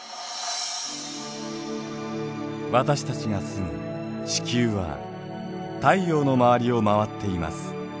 私たちが住む地球は太陽の周りを回っています。